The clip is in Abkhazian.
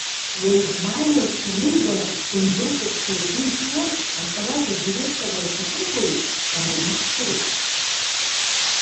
Уаҩ дмааиуазшәа анылба, дындәылҵырц лгәы ишҭаз, аҵараз адиректор лхаҭыԥуаҩ дааҩнашылеит.